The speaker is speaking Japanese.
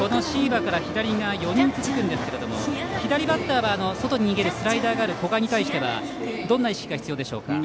椎葉から左が４人続くんですけども左バッターは外に逃げるスライダーがある古賀に対してはどんな意識が必要でしょうか。